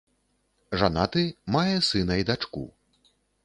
Жанаты, мае сына і дачку.